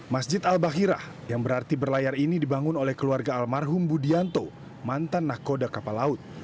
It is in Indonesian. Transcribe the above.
masjid al bahirah yang berarti berlayar ini dibangun oleh keluarga almarhum budianto mantan nakoda kapal laut